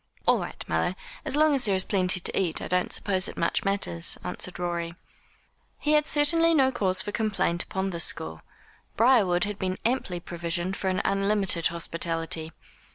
"All right, mother. As long as there is plenty to eat, I don't suppose it much matters," answered Rorie. He had certainly no cause for complaint upon this score. Briarwood had been amply provisioned for an unlimited hospitality.